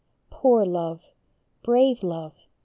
Poor Love ! brave Love